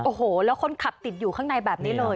โอ้โหแล้วคนขับติดอยู่ข้างในแบบนี้เลย